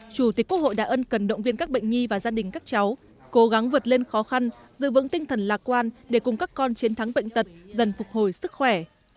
chủ tịch quốc hội đã ân cần động viên các bệnh nhi và gia đình các cháu cố gắng vượt lên khó khăn giữ vững tinh thần lạc quan để cùng các con chiến thắng bệnh tật dần phục hồi sức khỏe